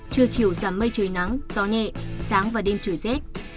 trưa chiều giảm mây trời nắng gió nhẹ sáng và đêm trời rét